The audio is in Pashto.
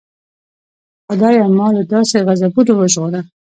خدایه ما له داسې غضبونو وژغوره.